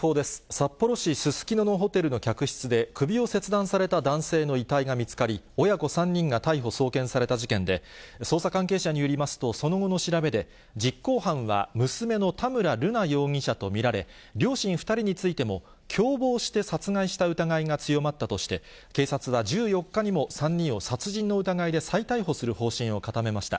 札幌市すすきののホテルの客室で、首を切断された男性の遺体が見つかり、親子３人が逮捕・送検された事件で、捜査関係者によりますと、その後の調べで、実行犯は娘の田村瑠奈容疑者と見られ、両親２人についても、共謀して殺害した疑いが強まったとして、警察は１４日にも３人を殺人の疑いで再逮捕する方針を固めました。